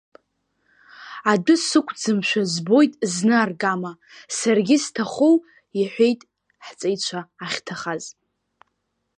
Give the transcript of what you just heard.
Адәы сықәӡамшәа збоит зны аргама, саргьы сҭахоу, – иҳәеит, ҳҵеицәа ахьҭахаз.